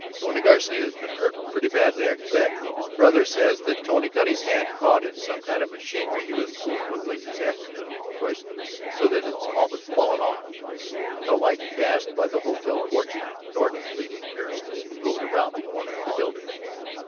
"Tony Garcia has been hurt; pretty badly, I expect. His brother says that Tony got his hand caught in some kind of machinery he was fooling with late this afternoon and crushed so that it's all but torn off." Into the light cast by the hotel porch lamp Norton, leading Persis, rode around the corner of the building.